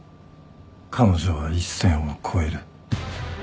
彼女は一線を越える。